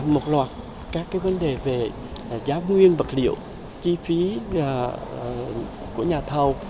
một loạt các vấn đề về giá nguyên vật liệu chi phí của nhà thầu